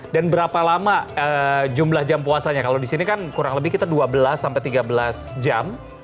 dan berapa lama jumlah jam puasanya kalau di sini kan kurang lebih kita dua belas sampai tiga belas jam